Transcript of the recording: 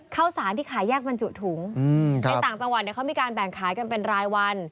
ข้าวสารที่ขายแยกบรรจุถุงในต่างจังหวัดเขามีการแบ่งขายกันเป็นรายวัน